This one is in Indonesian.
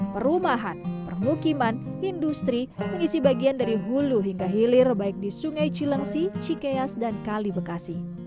perumahan permukiman industri mengisi bagian dari hulu hingga hilir baik di sungai cilengsi cikeas dan kali bekasi